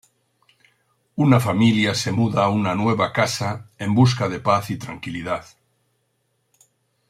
Una familia se muda a una nueva casa en busca de paz y tranquilidad.